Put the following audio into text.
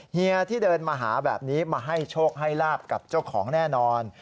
เฮียที่เดินมาหาแบบนี้มาให้โชคให้ลาบกับเจ้าของแน่นอน